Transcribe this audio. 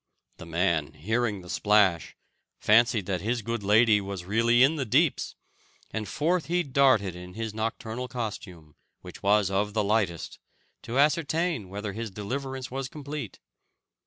The man, hearing the splash, fancied that his good lady was really in the deeps, and forth he darted in his nocturnal costume, which was of the lightest, to ascertain whether his deliverance was complete.